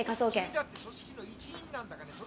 君だって組織の一員なんだから。